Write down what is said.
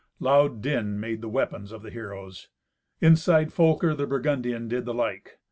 Loud din made the weapons of the heroes. Inside, Folker the Burgundian did the like.